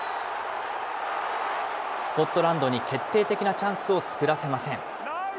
スコットランドに決定的なチャンスを作らせません。